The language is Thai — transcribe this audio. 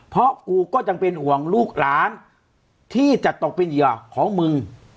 เพราะกูก็ยังเป็นห่วงลูกหลานที่จะตกเป็นเหยื่อของมึง